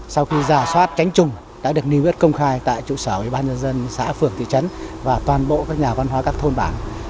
sau khi giả soát tránh trùng đã được niêm yết công khai tại trụ sở ủy ban nhân dân xã phường thị trấn và toàn bộ các nhà văn hóa các thôn bản